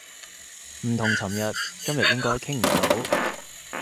唔同尋日，今日應該傾唔到